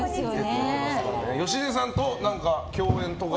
芳根さんと共演とかは？